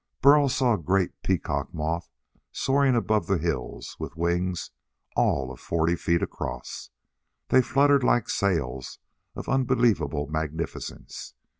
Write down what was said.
Burl saw a great peacock moth soaring above the hills with wings all of forty feet across. They fluttered like sails of unbelievable magnificence.